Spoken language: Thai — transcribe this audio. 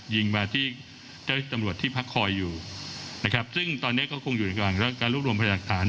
ยิงมาที่เจ้าที่ตำรวจที่พักคอยอยู่นะครับซึ่งตอนนี้ก็คงอยู่ระหว่างการรวบรวมพยากฐาน